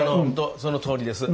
そのとおりです。